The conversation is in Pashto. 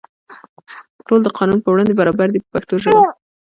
ټول د قانون په وړاندې برابر دي په پښتو ژبه.